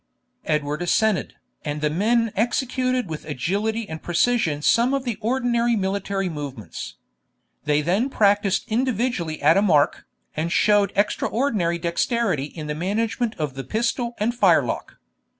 Edward assented, and the men executed with agility and precision some of the ordinary military movements. They then practised individually at a mark, and showed extraordinary dexterity in the management of the pistol and firelock.